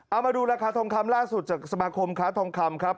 เอามาดูราคาทองคำล่าสุดจากสมาคมค้าทองคำครับ